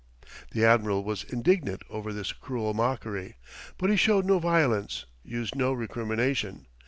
The admiral was indignant over this cruel mockery; but he showed no violence, used no recrimination.